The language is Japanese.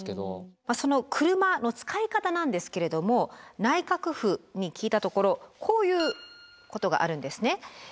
車の使い方なんですけれども内閣府に聞いたところこういうことがあるんですね。